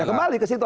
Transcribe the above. kembali ke situ